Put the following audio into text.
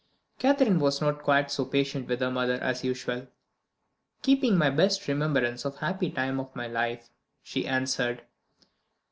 Catherine was not quite so patient with her mother as usual. "Keeping my best remembrance of the happy time of my life," she answered.